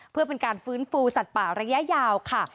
เพื่อเป็นการฟื้นฟูสัตว์ป่าระยะยาวค่ะ